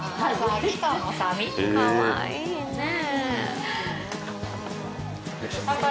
かわいいねえ。